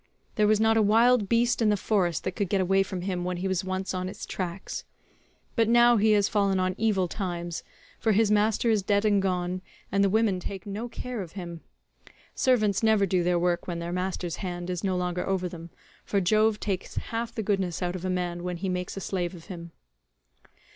There was not a wild beast in the forest that could get away from him when he was once on its tracks. But now he has fallen on evil times, for his master is dead and gone, and the women take no care of him. Servants never do their work when their master's hand is no longer over them, for Jove takes half the goodness out of a man when he makes a slave of him."